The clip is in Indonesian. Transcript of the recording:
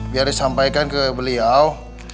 biar disampaikan ke beliau